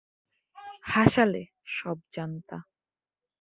হাসালে, সবজান্তা।